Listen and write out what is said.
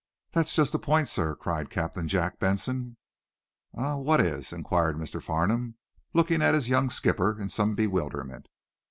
"That's just the point, sir," cried Captain Jack Benson. "Eh? What is?" inquired Mr. Farnum, looking at his young skipper in some bewilderment.